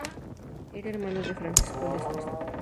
Era hermano de Francisco Lesmes.